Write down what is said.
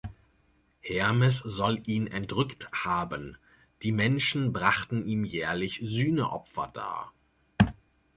Hermes soll ihn entrückt haben, die Menschen brachten ihm jährlich Sühneopfer dar.